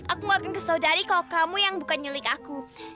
aku gak akan kasih tau daddy kalau kamu yang bukan nyulik aku